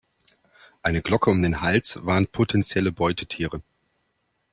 Eine Glocke um den Hals warnt potenzielle Beutetiere.